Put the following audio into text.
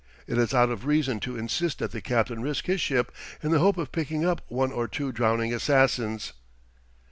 It is out of reason to insist that the captain risk his ship in the hope of picking up one or two drowning assassins."